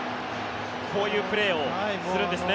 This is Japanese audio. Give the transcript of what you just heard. こういうプレーをするんですね。